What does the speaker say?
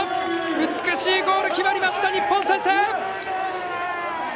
美しいゴール決まりました日本先制！